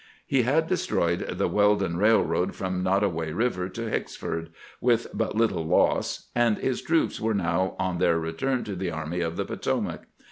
He had destroyed the Weldon Railroad from Nottoway River to Hicksford, with but little loss, and his troops were now on their return to the Army of the Potomac.